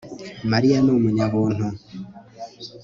Mariya ni umunyabuntu